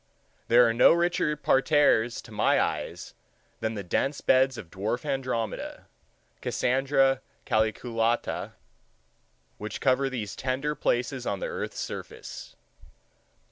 There are no richer parterres to my eyes than the dense beds of dwarf andromeda (Cassandra calyculata) which cover these tender places on the earth's surface.